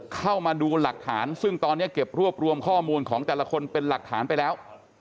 เข้ามาดูหลักฐานซึ่งตอนนี้เก็บรวบรวมข้อมูลของแต่ละคนเป็นหลักฐานไปแล้ว